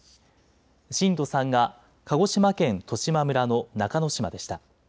震度３が鹿児島県十島村の中之島でした。